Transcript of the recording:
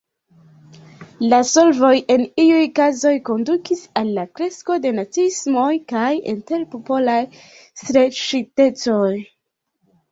La solvoj en iuj kazoj kondukis al la kresko de naciismoj kaj interpopolaj streĉitecoj.